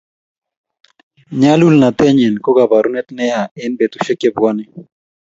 nyalulnatenyin ko kaborunet neya eng betusiek che bwoni